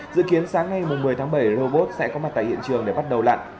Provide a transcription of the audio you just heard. dự kiến sáng nay một mươi tháng bảy robot sẽ có mặt tại hiện trường để bắt đầu lặn